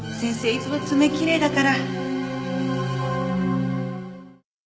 いつも爪きれいだから。